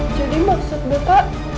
jadi maksud bapak